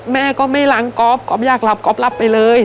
แม่ก็ไม่ล้างก๊อฟก๊อฟอยากรับก๊อฟรับไปเลย